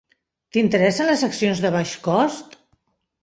T'interessen les accions de baix cost?